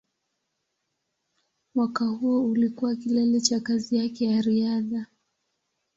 Mwaka huo ulikuwa kilele cha kazi yake ya riadha.